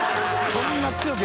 そんな強く。